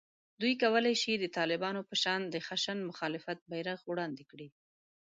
دوی کولای شي د طالبانو په شان د خشن مخالفت بېرغ وړاندې کړي